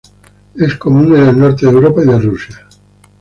Es común en el norte de Europa y de Rusia.